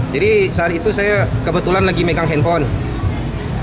jadi saat itu saya kebetulan lagi megang handphone